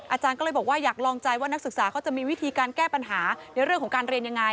อาจารย์ก็เลยบอกว่าอยากลองใจว่านักศึกษาเขาจะมีวิธีการแก้ปัญหาในเรื่องของการเรียนยังไง